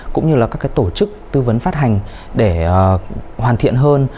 cũng như là các cái tổ chức tư vấn phát hành để hoàn thiện hơn